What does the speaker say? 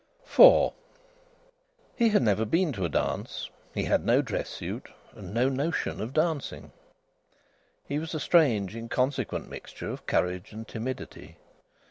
IV He had never been to a dance. He had no dress suit, and no notion of dancing. He was a strange, inconsequent mixture of courage and timidity.